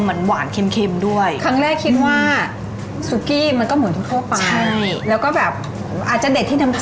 ดูดีอ่ะพี่เข็มแล้วดูหมูดูชิ้นใหญ่มาก